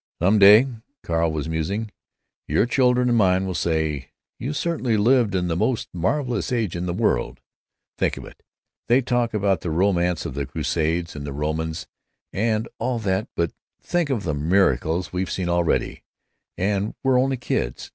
"Some day," Carl was musing, "your children and mine will say, 'You certainly lived in the most marvelous age in the world.' Think of it. They talk about the romance of the Crusades and the Romans and all that, but think of the miracles we've seen already, and we're only kids.